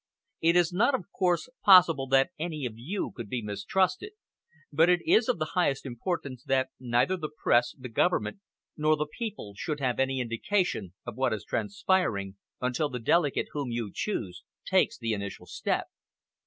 It is not, of course, possible that any of you could be mistrusted, but it is of the highest importance that neither the Press, the Government, nor the people should have any indication of what is transpiring, until the delegate whom you choose takes the initial step.